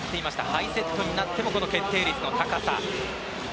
ハイセットになっても決定率の高さ。